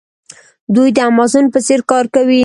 دوی د امازون په څیر کار کوي.